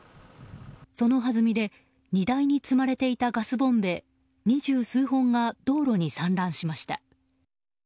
そのはずみで荷台に積まれていたガスボンベ二十数本が道路に散乱しました。